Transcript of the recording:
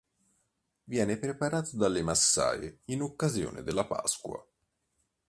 Viene preparato dalle massaie in occasione della Pasqua.